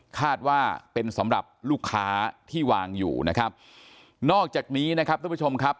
คาดว่าเป็นสำหรับลูกค้าที่วางอยู่นะครับนอกจากนี้นะครับท่านผู้ชมครับ